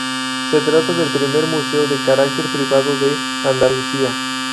Se trata del primer museo de carácter privado de Andalucía.